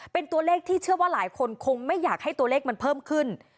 เป็นตัวเลขที่เชื่อว่าหลายคนคงไม่อยากให้ตัวเลขมันเพิ่มขึ้น